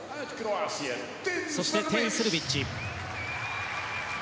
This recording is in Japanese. そして、テン・スルビッチ。